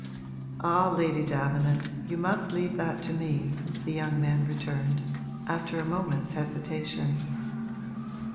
'Ah, Lady Davenant, you must leave that to me,' the young man returned, after a moment's hesitation.